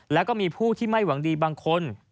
แล้วก็มีผู้ที่ไม่หวังดีบางคน